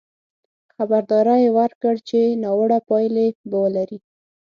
خبرداری یې ورکړ چې ناوړه پایلې به ولري.